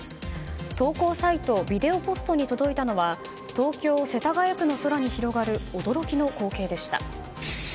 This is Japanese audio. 投稿サイトビデオＰｏｓｔに届いたのは東京・世田谷区の空に広がる驚きの光景でした。